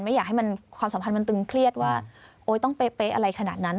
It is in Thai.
ไม่อยากให้ความสัมพันธ์มันตึงเครียดว่า